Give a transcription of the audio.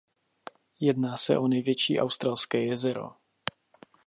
Jedná se o největší australské jezero.